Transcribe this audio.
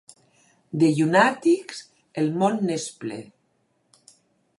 De llunàtics, el món n'és ple.